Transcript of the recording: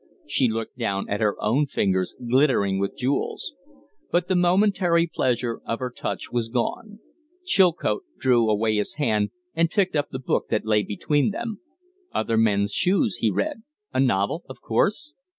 She looked down at her own fingers, glittering with jewels. But the momentary pleasure of her touch was gone. Chilcote drew away his hand and picked up the book that lay between them. "Other Men's Shoes!" he read. "A novel, of course?"